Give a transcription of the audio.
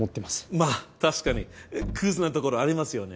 まあ確かにクズなところありますよね。